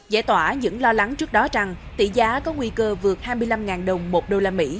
giải tỏa những lo lắng trước đó rằng tỷ giá có nguy cơ vượt hai mươi năm đồng một usd